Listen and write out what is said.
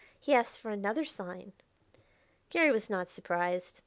He asks for another sign." Garry was not surprised.